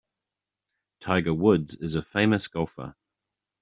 Tiger Woods is a famous golfer.